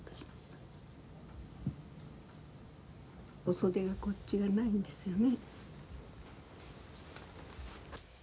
お袖がこっち側ないんですよね。